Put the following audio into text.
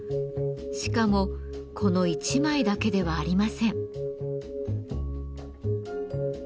しかもこの１枚だけではありません。